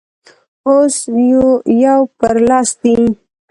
اوس يو پر لس دی.